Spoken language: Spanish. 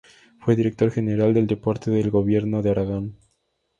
Fue Director General del Deporte del Gobierno de Aragón.